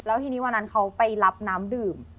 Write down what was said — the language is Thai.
แล้วทีนี้วันนั้นเขาไปรับน้ำดื่ม